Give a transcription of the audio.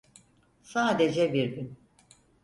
Sadece bir gün.